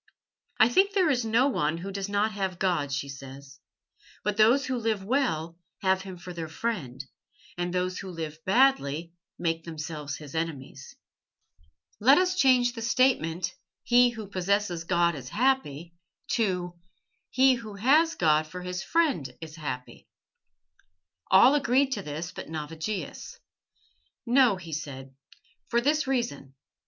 "I think there is no one who does not have God," she said. "But those who live well have Him for their friend, and those who live badly make themselves His enemies. Let us change the statement, 'He who possesses God is happy' to 'He who has God for his friend is happy.'" All agreed to this but Navigius. "No," he said, "for this reason.